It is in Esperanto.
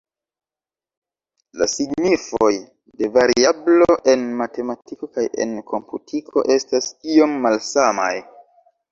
La signifoj de variablo en matematiko kaj en komputiko estas iom malsamaj.